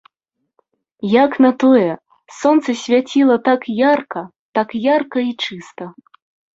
Як на тое, сонца свяціла так ярка, так ярка і чыста.